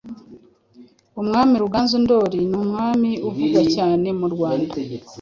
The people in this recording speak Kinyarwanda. Umwami Ruganzu Ndoli ni umwami uvugwa cyane mu Rwanda